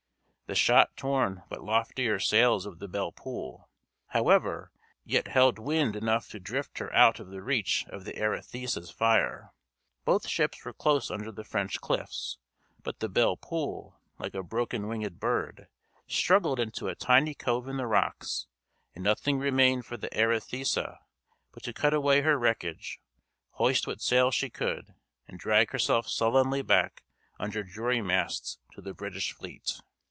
The shot torn but loftier sails of the Belle Poule, however, yet held wind enough to drift her out of the reach of the Arethusa's fire. Both ships were close under the French cliffs; but the Belle Poule, like a broken winged bird, struggled into a tiny cove in the rocks, and nothing remained for the Arethusa but to cut away her wreckage, hoist what sail she could, and drag herself sullenly back under jury masts to the British fleet.